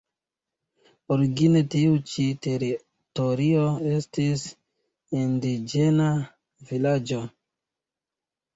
Origine tiu ĉi teritorio estis indiĝena vilaĝo.